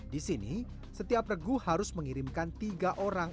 di sini setiap regu harus mengirimkan tiga orang